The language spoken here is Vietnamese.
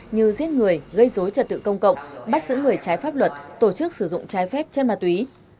như giết người gây dối trật tự công cộng bắt sử người trái pháp luật tổ chức sử dụng trái phép trên mặt túy